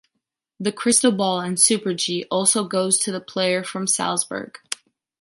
The crystal ball in Super-G also goes to the player from Salzburg.